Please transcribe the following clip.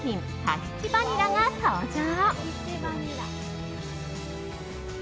タヒチバニラが登場。